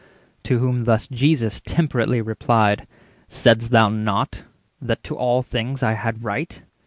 To whom thus Jesus temperately replied:— "Said'st thou not that to all things I had right?